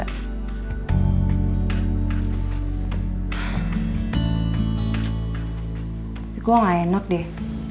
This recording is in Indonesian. tapi kok gak enak deh